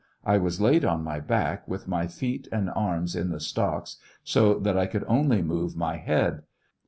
I was laid on my back with my feet and arms in the stocks so that I could only move my head.